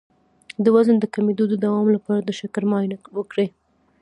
د وزن د کمیدو د دوام لپاره د شکر معاینه وکړئ